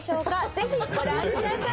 ぜひご覧ください。